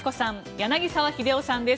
柳澤秀夫さんです。